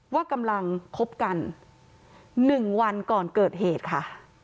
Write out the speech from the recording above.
ว่ากำลังคบกัน๑วันก่อนเกิดเหตุค่ะ